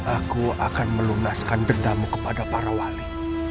aku akan melunaskan bendamu kepada para wali